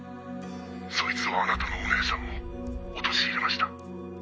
「そいつはあなたのお姉さんを陥れました」